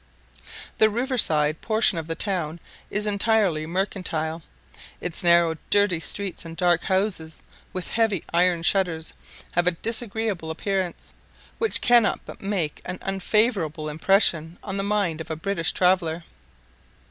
The river side portion of the town is entirely mercantile. Its narrow, dirty streets and dark houses, with heavy iron shutters, have a disagreeable appearance, which cannot but make an unfavourable impression on the mind of a British traveller.